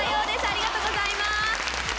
ありがとうございます。